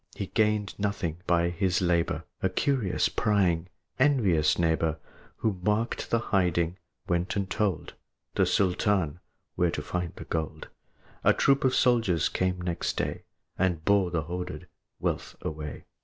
But he gained nothing by his labor: A curious, prying, envious neighbor, Who marked the hiding, went and told The Sultan where to find the gold. A troop of soldiers came next day, And bore the hoarded wealth away.